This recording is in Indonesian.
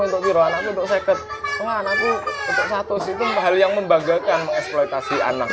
untuk jualan aku duk sekat semua anakku satu situ hal yang membagakan mengeksploitasi anak